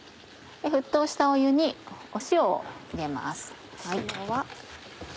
沸騰した湯に塩を入れます。